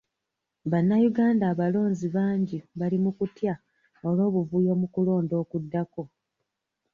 Bannayuganda abalonzi bangi bali mu kutya olw'obuvuyo mu kulonda okuddako.